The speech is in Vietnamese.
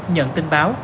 nhận tin báo